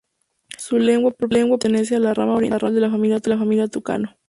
Su lengua propia pertenece a la rama oriental de la Familia Tucano.